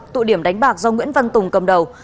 tụ điểm đánh bạc do nguyễn văn tùng cầm đầu